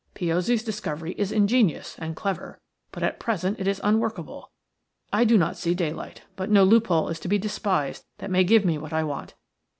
Piozzi's discovery is ingenious and clever, but at present it is unworkable. I do not see daylight, but no loophole is to be despised that may give me what I want.